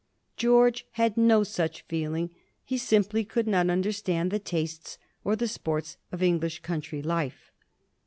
George had no such feeling; he simply could not understand the tastes or the sports of English country life.